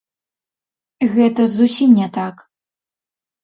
Гэта зусім не так.